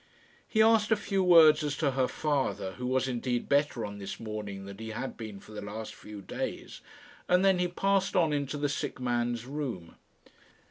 He asked a few words as to her father, who was indeed better on this morning than he had been for the last few days, and then he passed on into the sick man's room.